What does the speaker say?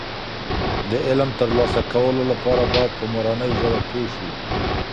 د علم د ترلاسه کولو لپاره باید په مورنۍ ژبه پوه شو.